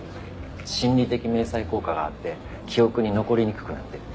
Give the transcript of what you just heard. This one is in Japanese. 心理的迷彩効果があって記憶に残りにくくなってる。